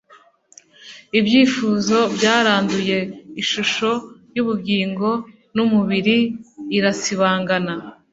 ibyifuzo byaranduye, ishusho y'ubugingo n'umubiri irasibangana